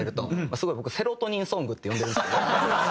すごい僕セロトニンソングって呼んでるんですけど。